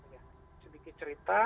ya sedikit cerita